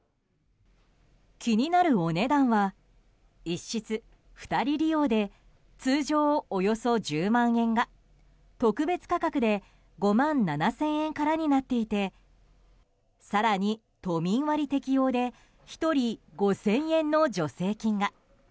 気になるお値段は１室２人利用で通常、およそ１０万円が特別価格で５万７０００円からになっていて更に都民割適用で１人５０００円の助成金が。